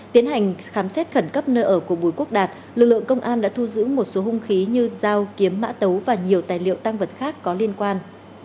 tiến hành khám xét khẩn cấp nơi ở của bùi quốc đạt lực lượng công an đã thu giữ một số hung khí như dao kiếm mã tấu và nhiều tài liệu tăng vật khác có liên quan